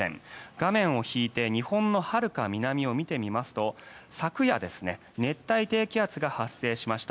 画面を引いて日本のはるか南を見てみますと昨夜、熱帯低気圧が発生しました。